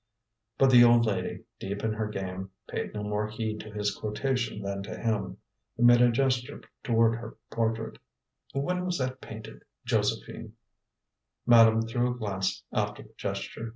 But the old lady, deep in her game, paid no more heed to his quotation than to him. He made a gesture toward her portrait. "When that was painted, Josephine " Madame threw a glance after the gesture.